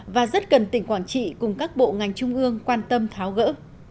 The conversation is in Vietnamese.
và rất cần tỉnh quảng trị cùng các bộ ngành trung ương quan tâm tháo gỡ